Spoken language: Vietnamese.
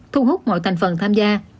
thu hút mọi thành phần tham gia